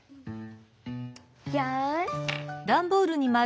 よし。